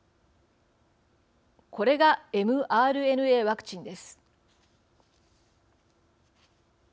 これがｍＲＮＡワクチンです。